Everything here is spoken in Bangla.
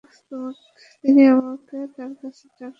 তিনি আমাকে তাঁর কাছে ডাকছেন।